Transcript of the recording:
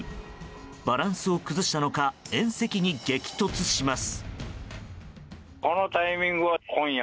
バランスを崩したのか縁石に激突します。